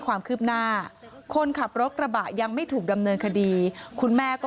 ความคืบหน้าคนขับรถกระบะยังไม่ถูกดำเนินคดีคุณแม่ก็